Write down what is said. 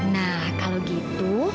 nah kalau gitu